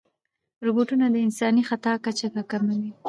روبوټونه د انساني خطا کچه راکموي.